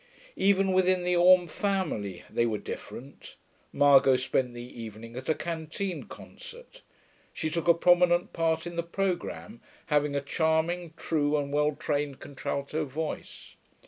Even within the Orme family, they were different. Margot spent the evening at a canteen concert. She took a prominent part in the programme, having a charming, true and well trained contralto voice.